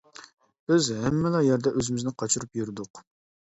بىز ھەممىلا يەردە ئۆزىمىزنى قاچۇرۇپ يۈردۇق.